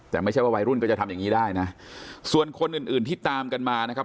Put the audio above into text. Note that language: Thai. แต่ไม่ใช่ว่าวัยรุ่นก็จะทำอย่างงี้ได้นะส่วนคนอื่นอื่นที่ตามกันมานะครับ